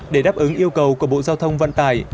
để đáp ứng yêu cầu của bộ giao thông vận tải